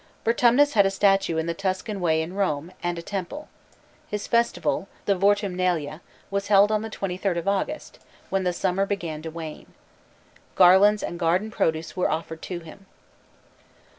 Vertumnus had a statue in the Tuscan Way in Rome, and a temple. His festival, the Vortumnalia, was held on the 23d of August, when the summer began to wane. Garlands and garden produce were offered to him.